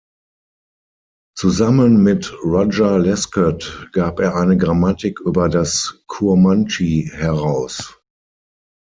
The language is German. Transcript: Zusammen mit Roger Lescot gab er eine Grammatik über das Kurmandschi heraus.